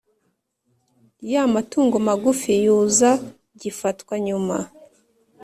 Y amatungo magufi yuza gifatwa nyuma